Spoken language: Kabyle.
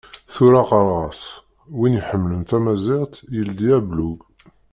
Tura qqareɣ-as:Win iḥemmlen tamaziɣt yeldi ablug.